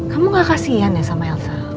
kamu gak kasian ya sama elsa